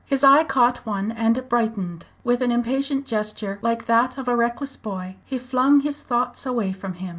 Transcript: His eye caught one and brightened. With an impatient gesture, like that of a reckless boy, he flung his thoughts away from him.